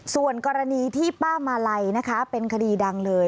ส่วนกรณีที่ป้ามาลัยนะคะเป็นคดีดังเลย